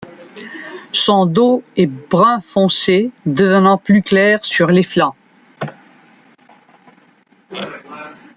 Son dos est brun foncé devenant plus clair sur les flancs.